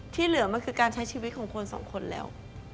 ที่เหลือมันคือการใช้ชีวิตของคนสองคนแล้ว